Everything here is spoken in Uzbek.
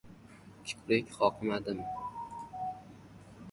Kiprik qoqmadim.